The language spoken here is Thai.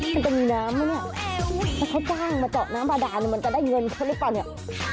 มันก็มีน้ำไหมเนี้ยถ้าเขาจ้างมาเจาะน้ำบาดาเนี่ยมันจะได้เงินเพิ่มหรือเปล่าเนี้ย